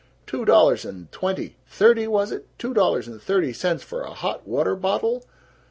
Two dollars and twenty thirty, was it? two dollars and thirty cents for a hot water bottle!